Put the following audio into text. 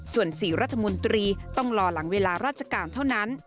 ส่วน๔รัฐมนตรีต้องรอหลังเวลาราชการเท่านั้น